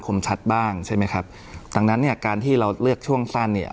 คมชัดบ้างใช่ไหมครับดังนั้นเนี่ยการที่เราเลือกช่วงสั้นเนี่ย